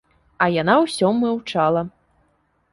А яна ўсё маўчала.